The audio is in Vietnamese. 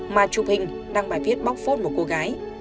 mà chụp hình đăng bài viết bóc phốt một cô gái